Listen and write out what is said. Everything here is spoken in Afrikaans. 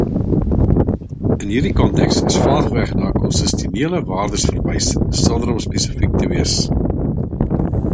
In hierdie konteks is vaagweg na konstitusionele waardes verwys sonder om spesifiek te wees.